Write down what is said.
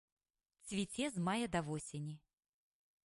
Цвіце з мая да восені.